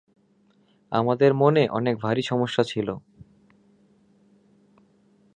আমাদের মনে অনেক ভারী সমস্যা ছিল।